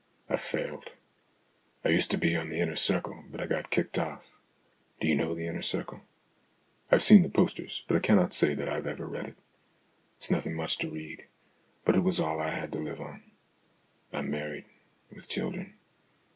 I failed. I used to be on The Inner Circle but I got kicked off. Do you know The Inner Circle?" " I've seen the posters, but I cannot say that I've ever read it." " It's nothing much to read, but it was all I had to live on. I'm married, with children.